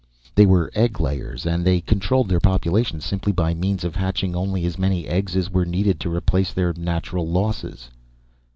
They were egg layers, and they controlled their population simply by means of hatching only as many eggs as were needed to replace their natural losses.